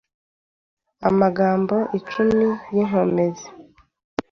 Amagambo icumi y’inkomezi